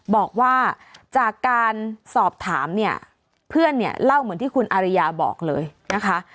บอกว่าจากการสอบถามเนี่ยเพื่อนเนี่ยเล่าเหมือนที่คุณอาริยาบอกเลยนะคะ